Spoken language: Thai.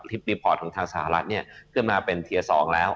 รีพอร์ตของทางสหรัฐเนี่ยขึ้นมาเป็นเทียร์๒แล้ว